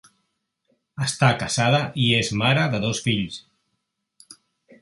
Està casada i és mare de dos fills.